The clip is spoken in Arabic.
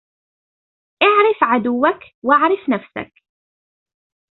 إعرف عدوك وإعرف نفسك.